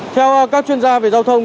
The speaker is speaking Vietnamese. theo các chuyên gia về giao thông